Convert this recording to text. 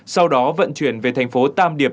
sau đó vận chuyển về thành phố tam điệt